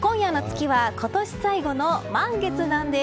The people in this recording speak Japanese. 今夜の月は今年最後の満月なんです。